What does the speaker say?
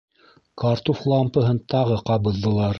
Картуф лампаһын тағы ҡабыҙҙылар.